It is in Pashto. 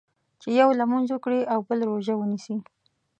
چې یو لمونځ وکړي او بل روژه ونیسي.